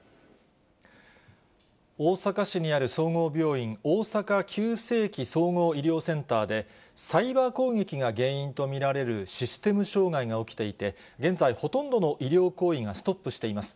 大阪市にある総合病院、大阪急性期・総合医療センターでサイバー攻撃が原因と見られるシステム障害が起きていて、現在、ほとんどの医療行為がストップしています。